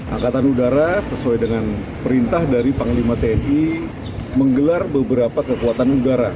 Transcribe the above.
angkatan udara sesuai dengan perintah dari panglima tni menggelar beberapa kekuatan udara